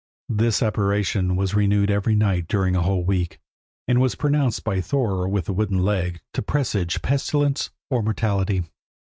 This apparition was renewed every night during a whole week, and was pronounced by Thorer with the wooden leg to presage pestilence or mortality.